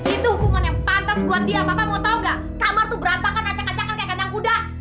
itu hukuman yang pantas buat dia bapak mau tau gak kamar tuh berantakan acak acakan kayak kandang kuda